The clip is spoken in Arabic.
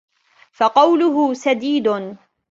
فَقَوْلُهُ سَدِيدٌ